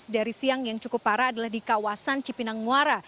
dari siang yang cukup parah adalah di kawasan cipinang muara